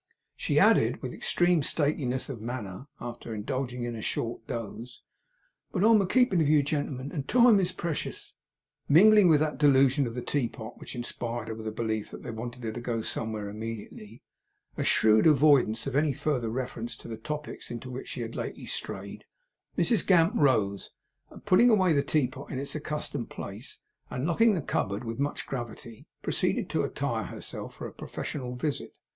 She added with extreme stateliness of manner after indulging in a short doze: 'But I am a keepin' of you gentlemen, and time is precious.' Mingling with that delusion of the teapot which inspired her with the belief that they wanted her to go somewhere immediately, a shrewd avoidance of any further reference to the topics into which she had lately strayed, Mrs Gamp rose; and putting away the teapot in its accustomed place, and locking the cupboard with much gravity proceeded to attire herself for a professional visit.